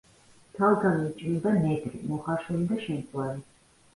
თალგამი იჭმება ნედლი, მოხარშული და შემწვარი.